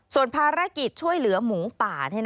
ส่วนภารกิจช่วยเหลือหมูป่า